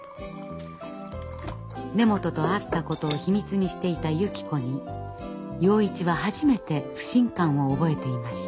根本と会ったことを秘密にしていたゆき子に洋一は初めて不信感を覚えていました。